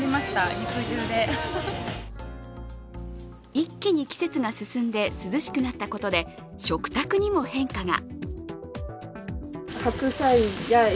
一気に季節が進んで涼しくなったことで食卓にも変化が。